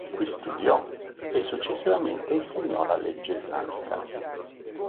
Qui studiò e successivamente insegnò la legge islamica.